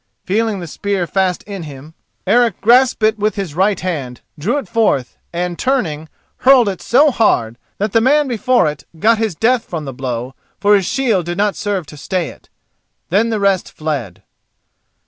Feeling the spear fast in him, Eric grasped it with his right hand, drew it forth, and turning, hurled it so hard, that the man before it got his death from the blow, for his shield did not serve to stay it. Then the rest fled.